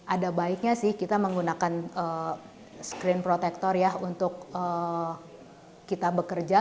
ada baiknya sih kita menggunakan screen protector ya untuk kita bekerja